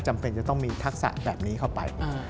จำเป็นจะต้องมีทักษะแบบนี้เข้าไป